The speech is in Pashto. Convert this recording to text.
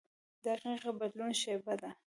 • دقیقه د بدلون شیبه ده.